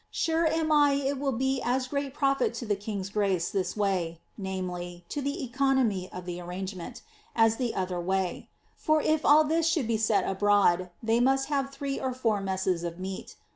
Sure am I it will be as great profit to the k:r.::'s ^race this way — (viz., to the economy of the arrangement)^as tlie other w:)v. For if all this should be set abroad^ they must have three or four messes f j:io ac.